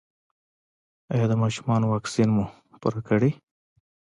ایا د ماشومانو واکسین مو پوره کړی؟